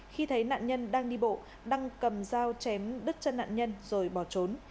khi thấy nạn nhân đang đi bộ đăng cầm dao chém đứt chân nạn nhân rồi bỏ trốn